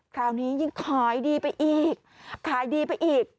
คราวนี้ยิ่งขายดีไปอีกขายดีไปอีก